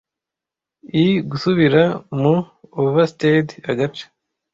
I gusubira mu overstayed agace,